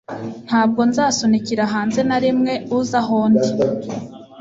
Ntabwo nzasunikira hanze na rimwe uza aho ndi.